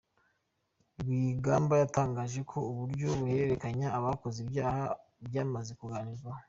Rwigamba yatangaje ko uburyo guhererekanya abakoze ibyaha byamaze kuganirwaho.